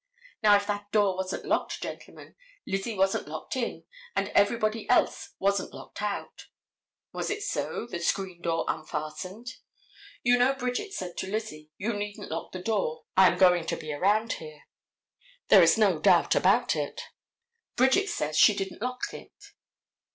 Now, if that door wasn't locked, gentlemen, Lizzie wasn't locked in and everybody else wasn't locked out. Was it so, the screen door unfastened? You know Bridget said to Lizzie, "You needn't lock the door, I am going to be around here." There is no doubt about it. Bridget says she didn't lock it.